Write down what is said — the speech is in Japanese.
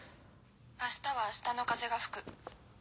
明日は明日の風が吹く。